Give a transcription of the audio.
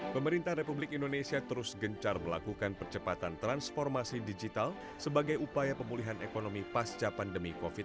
pemerintah republik indonesia terus gencar melakukan percepatan transformasi digital sebagai upaya pemulihan ekonomi pasca pandemi covid sembilan belas